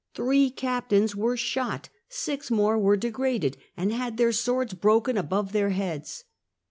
Three captains were shot, six more were degraded and had their swords broken above their heads.